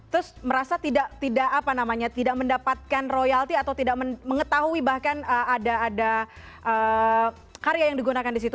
terus merasa tidak mendapatkan royalti atau tidak mengetahui bahkan ada karya yang digunakan di situ